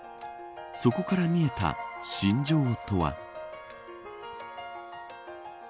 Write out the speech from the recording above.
そこから見えた心情とは。